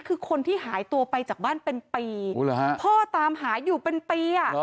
คือคนที่หายตัวไปจากบ้านเป็นปีอู้หรือฮะพ่อตามหายอยู่เป็นปีอ๋อ